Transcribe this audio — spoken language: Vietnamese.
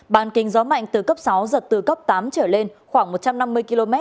bàn kinh gió mạnh từ cấp sáu giật từ cấp tám trở lên khoảng một trăm năm mươi km